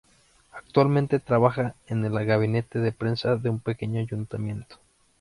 Actualmente trabaja en el gabinete de prensa de un pequeño ayuntamiento.